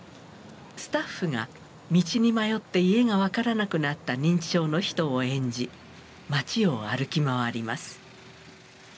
スタッフが道に迷って家が分からなくなった認知症の人を演じ町を歩き回ります。